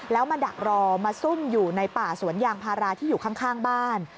แล้วมาดักรอมาซุ่มอยู่ในป่าสวนยางพาราที่อยู่ข้างบ้าน